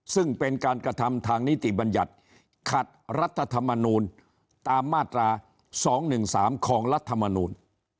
ซึ่งเป็นการกระทำทางนิติบัญญัติขัดรัฐธรรมนูลตามมาตรา๒๑๓ของรัฐมนูล